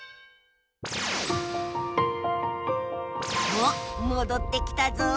おっもどってきたぞ！